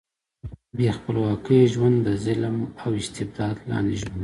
بې خپلواکۍ ژوند د ظلم او استبداد لاندې ژوند دی.